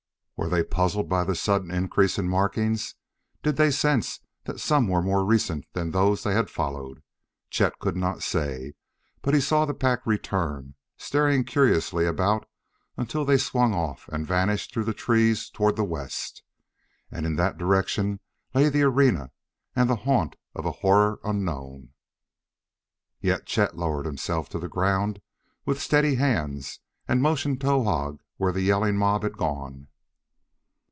Were they puzzled by the sudden increase in markings? Did they sense that some were more recent than those they had followed? Chet could not say. But he saw the pack return, staring curiously about until they swung off and vanished through the trees toward the west. And in that direction lay the arena and the haunt of a horror unknown. Yet Chet lowered himself to the ground with steady hands and motioned Towahg where the yelling mob had gone.